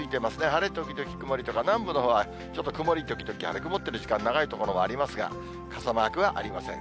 晴れ時々曇りとか、南部のほうはちょっと曇り時々晴れ、曇ってる時間長い所もありますが、傘マークはありません。